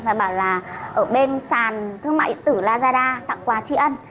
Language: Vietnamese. và bảo là ở bên sàn thương mại tử lazada tặng quà tri ân